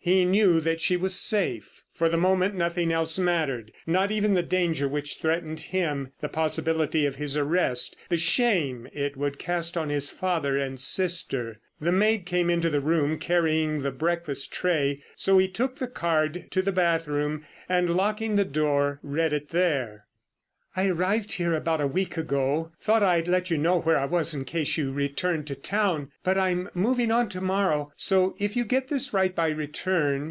He knew that she was safe. For the moment nothing else mattered. Not even the danger which threatened him, the possibility of his arrest, the shame it would cast on his father and sister. The maid came into the room carrying the breakfast tray, so he took the card to the bathroom, and, locking the door, read it there: "I arrived here about a week ago. Thought I'd let you know where I was in case you returned to town; but I'm moving on to morrow, so if you get this write by return.